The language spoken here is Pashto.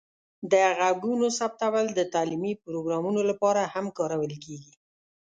د غږونو ثبتول د تعلیمي پروګرامونو لپاره هم کارول کیږي.